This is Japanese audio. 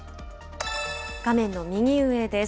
画面の右上です。